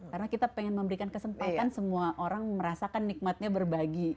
karena kita ingin memberikan kesempatan semua orang merasakan nikmatnya berbagi